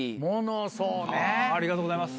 ありがとうございます。